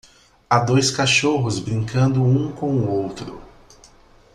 Há dois cachorros brincando um com o outro.